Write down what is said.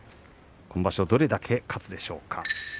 今場所どれだけ勝つでしょうか。